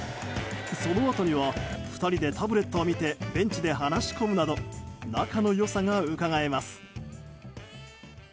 そのあとには２人でタブレットを見てベンチで話し込むなど仲の良さがうかがえます。